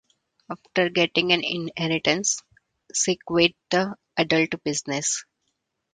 After getting an inheritance, she quit the adult business.